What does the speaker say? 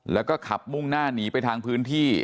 แล้วก็ขับมุ่งหน้าหนีไปทางพื้นที่